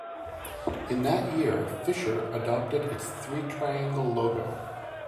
In that year, Fischer adopted its three-triangle logo.